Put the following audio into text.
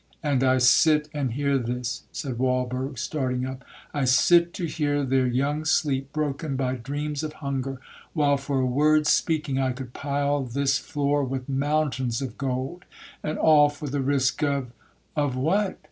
—'And I sit and hear this,' said Walberg, starting up,—'I sit to hear their young sleep broken by dreams of hunger, while for a word's speaking I could pile this floor with mountains of gold, and all for the risk of—'Of what?'